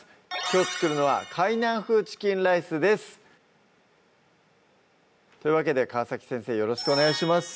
きょう作るのは「海南風チキンライス」ですというわけで川先生よろしくお願いします